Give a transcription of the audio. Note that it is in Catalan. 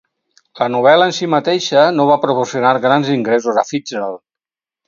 La novel·la en si mateixa no va proporcionar grans ingressos a Fitzgerald.